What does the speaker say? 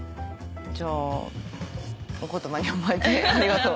じゃあお言葉に甘えてありがとう。